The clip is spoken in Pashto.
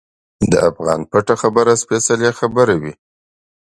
د افغان پټه خبره سپیڅلې خبره وي.